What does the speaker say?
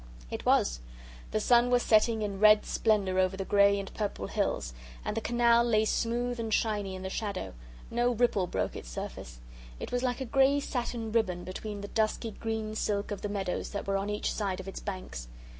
It was. The sun was setting in red splendour over the grey and purple hills, and the canal lay smooth and shiny in the shadow no ripple broke its surface. It was like a grey satin ribbon between the dusky green silk of the meadows that were on each side of its banks.